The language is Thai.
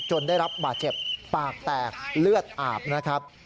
ได้รับบาดเจ็บปากแตกเลือดอาบนะครับ